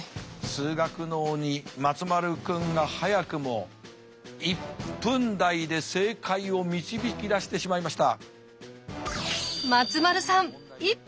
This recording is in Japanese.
数学の鬼松丸君が早くも１分台で正解を導き出してしまいました。